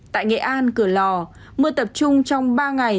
tại nghệ an cửa lò mưa tập trung trong ba ngày